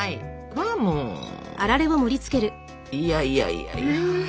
いやいやいやいや。